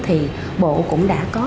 thì bộ cũng đã có